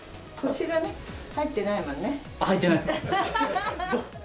入ってないですか？